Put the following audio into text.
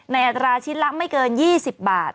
อัตราชิ้นละไม่เกิน๒๐บาท